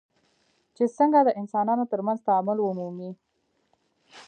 چې څنګه د انسانانو ترمنځ تعامل ومومي.